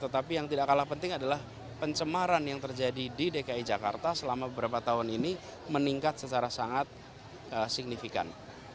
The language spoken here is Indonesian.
tetapi yang tidak kalah penting adalah pencemaran yang terjadi di dki jakarta selama beberapa tahun ini meningkat secara sangat signifikan